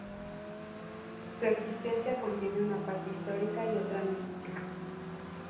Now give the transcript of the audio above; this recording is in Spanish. Su existencia contiene una parte histórica y otra mítica.